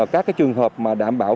các trường hợp đảm bảo